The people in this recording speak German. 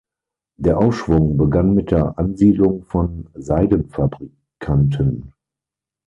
Der Aufschwung begann mit der Ansiedlung von Seidenfabrikanten.